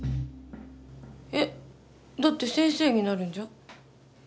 えっだって先生になるんじゃ？